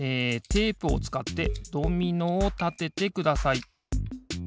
テープをつかってドミノをたててください。